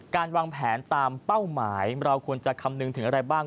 การวางแผนตามเป้าหมายเราควรจะคำนึงถึงอะไรบ้าง